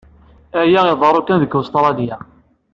Aya iḍerru kan deg Ustṛalya.